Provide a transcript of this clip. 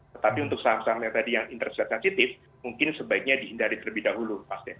tetapi untuk saham saham yang tadi yang interest rate sensitif mungkin sebaiknya dihindari terlebih dahulu mas dedy